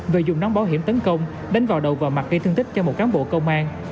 rồi dùng nón bảo hiểm tấn công đánh vào đầu và mặt gây thương tích cho một cán bộ công an